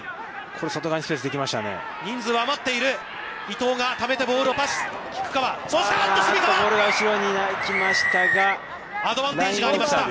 外側にスペースができましたね。